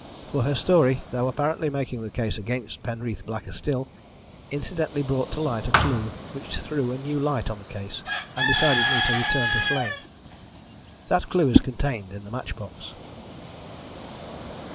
For her story, though apparently making the case against Penreath blacker still, incidentally brought to light a clue which threw a new light on the case and decided me to return to Flegne. That clue is contained in the match box."